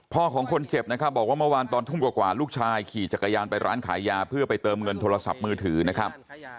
ของคนเจ็บนะครับบอกว่าเมื่อวานตอนทุ่มกว่าลูกชายขี่จักรยานไปร้านขายยาเพื่อไปเติมเงินโทรศัพท์มือถือนะครับ